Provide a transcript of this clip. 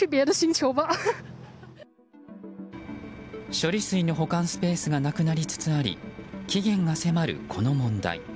処理水の保管スペースがなくなりつつあり期限が迫るこの問題。